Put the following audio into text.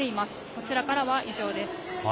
こちらからは以上です。